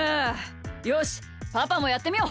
よしパパもやってみよう。